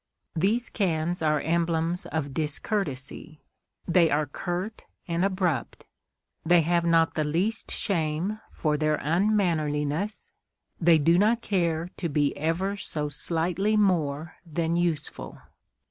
These cans are emblems of discourtesy; they are curt and abrupt, they have not the least shame for their unmannerliness, they do not care to be ever so slightly more than useful.